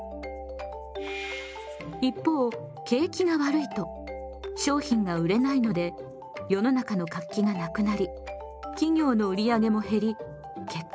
一方景気が悪いと商品が売れないので世の中の活気がなくなり企業の売り上げも減り結果